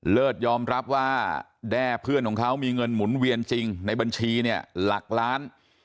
ยอมรับว่าแด้เพื่อนของเขามีเงินหมุนเวียนจริงในบัญชีเนี่ยหลักล้าน